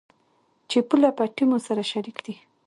چې پوله، پټي مو سره شريک دي.